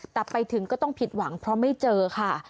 แต่ไปถึงก็ต้องผิดหวังเพราะไม่เจอค่ะ